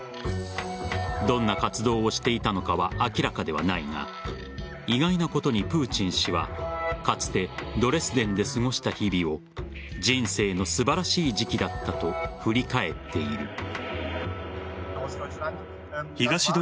どんな活動をしていたのかは明らかではないが意外なことにプーチン氏はかつてドレスデンで過ごした日々を人生の素晴らしい時期だったと振り返っている。